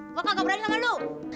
gua kagak berani sama lu